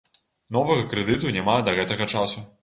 Новага крэдыту няма да гэтага часу.